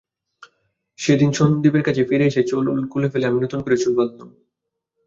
সেদিন সন্দীপের কাছ থেকে ফিরে এসেই চুল খুলে ফেলে আমি নতুন করে চুল বাঁধলুম।